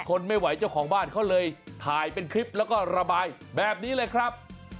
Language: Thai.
ทนไม่ไหวเจ้าของบ้านเขาเลยถ่ายเป็นคลิปแล้วก็ระบายแบบนี้เลยครับ